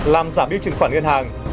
làm giảm bill chuyển khoản ngân hàng